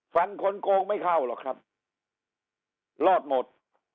ฟันคนโกงไม่เข้าหรอกครับรอดหมด